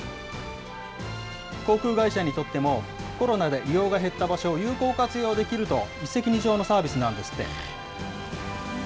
航空会社にとっても、コロナで利用が減った場所を有効活用できると、一石二鳥のサービスなんですって。